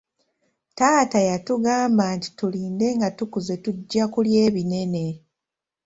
Taata yatugambanga nti tulinde nga tukuzze tujja kulya ebinene.